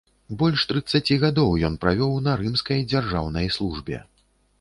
Больш трыццаці гадоў ён правёў на рымскай дзяржаўнай службе.